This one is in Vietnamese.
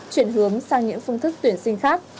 chuyển hướng sang những phương thức tuyển sinh khác